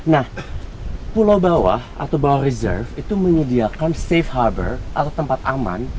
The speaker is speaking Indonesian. nah pulau bawah atau bawah reserve itu menyediakan safe harbor atau tempat aman